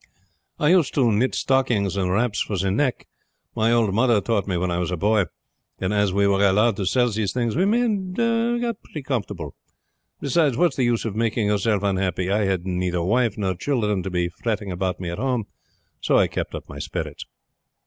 I used to knit stockings and wraps for the neck. My old mother taught me when I was a boy. And as we were allowed to sell the things we made I got on pretty comfortable. Beside, what's the use of making yourself unhappy? I had neither wife nor children to be fretting about me at home, so I kept up my spirits."